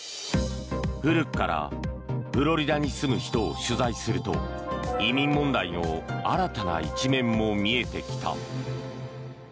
古くからフロリダに住む人を取材すると移民問題の新たな一面も見えてきた。